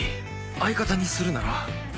相方にするなら。